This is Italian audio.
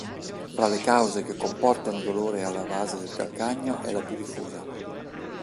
Fra le cause che comportano dolore alla base del calcagno è la più diffusa.